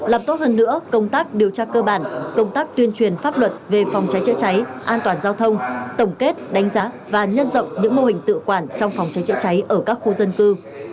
làm tốt hơn nữa công tác điều tra cơ bản công tác tuyên truyền pháp luật về phòng cháy chữa cháy an toàn giao thông tổng kết đánh giá và nhân rộng những mô hình tự quản trong phòng cháy chữa cháy ở các khu dân cư